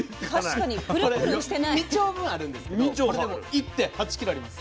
これ２丁分あるんですけどこれでも１．８ｋｇあります。